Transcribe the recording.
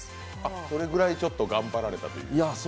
それぐらい頑張られたという？